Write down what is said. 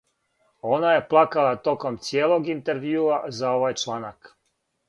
Она је плакала током цијелог интервјуа за овај чланак.